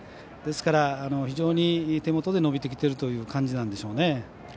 ですから、非常に手元で伸びてきている感じなんでしょうね。